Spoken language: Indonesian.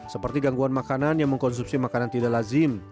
seperti gangguan makanan yang mengkonsumsi makanan tidak lazim